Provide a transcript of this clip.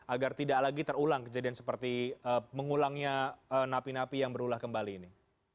agar tidak lagi terulang kejadian seperti mengulangnya napi napi yang berulah kembali ini